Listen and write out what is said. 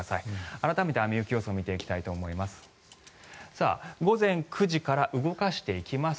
改めて雨・雪予想を見ていきたいと思います。